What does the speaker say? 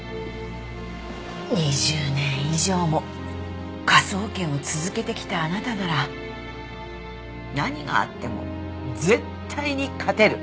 ２０年以上も科捜研を続けてきたあなたなら何があっても絶対に勝てる。